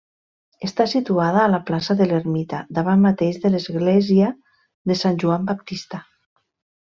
Està situada a la plaça de l'Ermita davant mateix de l'església de Sant Joan Baptista.